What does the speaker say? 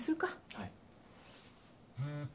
はい。